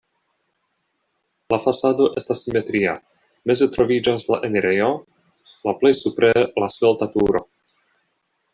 La fasado estas simetria, meze troviĝas la enirejo, la plej supre la svelta turo.